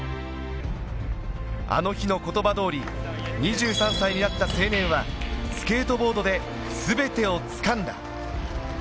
あの日の言葉通り、２３歳になった青年はスケートボードで全てを掴んだ。